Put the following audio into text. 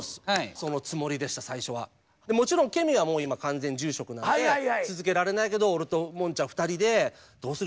もちろんケミは今完全住職なんで続けられないけど俺とモンちゃん２人でどうする？